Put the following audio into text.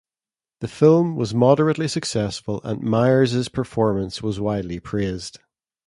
The film was moderately successful, and Myers's performance was widely praised.